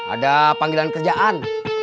ada panggilan kerjaan